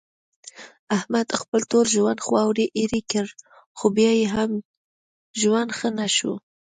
احمد خپل ټول ژوند خاورې ایرې کړ، خو بیا یې هم ژوند ښه نشو.